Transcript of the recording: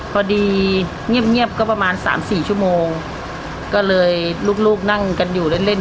พอดีเงียบก็ประมาณสามสี่ชั่วโมงก็เลยลูกลูกนั่งกันอยู่เล่นเล่น